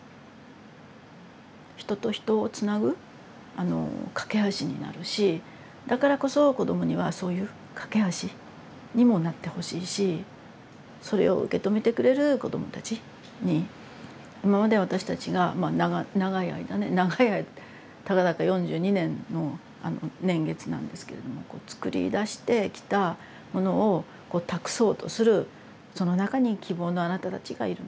人と人をつなぐあの懸け橋になるしだからこそ子どもにはそういう懸け橋にもなってほしいしそれを受け止めてくれる子どもたちに今まで私たちが長い間ね長い間たかだか４２年の年月なんですけれどもつくり出してきたものを託そうとするその中に希望のあなたたちがいる。